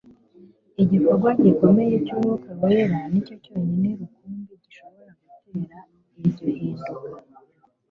Igikorwa gikomeye cy'Umwuka wera nicyo cyonyine rukumbi gishobora gutera iryo hinduka.